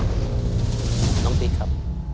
น้องติ๊กครับ